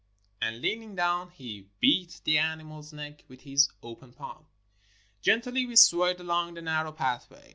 " And leaning down he beat the animal's neck with his open palm. Gently we swayed along the narrow pathway.